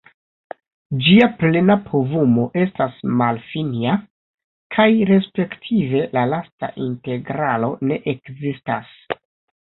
Ĝia plena povumo estas malfinia, kaj respektive la lasta integralo ne ekzistas.